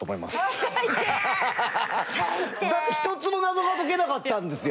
だって一つも謎が解けなかったんですよ。